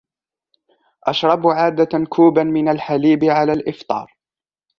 أشرب عادةً كوبًا من الحليب على الإفطار.